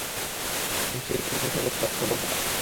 নিশ্চয়ই তুমি সর্বশ্রোতা, সর্বজ্ঞাতা।